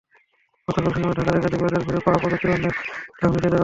গতকাল শনিবার ঢাকার একাধিক বাজার ঘুরে পাওয়া প্রযুক্তিপণ্যের দাম নিচে দেওয়া হলো।